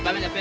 doain ya be